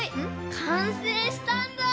かんせいしたんだ！